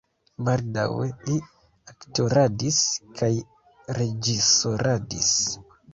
Baldaŭe li aktoradis kaj reĝisoradis.